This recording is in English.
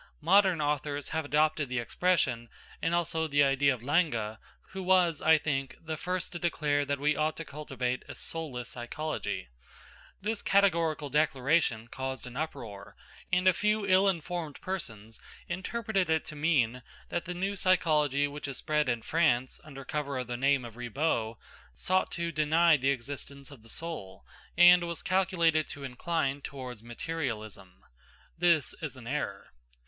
Modern authors have adopted the expression and also the idea of Lange, who was, I think, the first to declare that we ought to cultivate a soulless psychology. This categorical declaration caused an uproar, and a few ill informed persons interpreted it to mean that the new psychology which has spread in France under cover of the name of Ribot, sought to deny the existence of the soul, and was calculated to incline towards materialism. This is an error.